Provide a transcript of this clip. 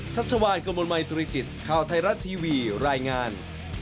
ชัชวานกระมวลมัยตุริจิตข่าวไทยรัฐทีวีรายงาน